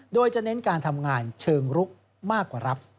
โดยจะเน้นการทำงานเชิงลุกมากกว่ารับ